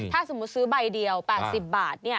ถ้าสมมุติซื้อใบเดียว๘๐บาท